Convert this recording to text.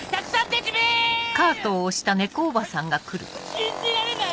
信じられない！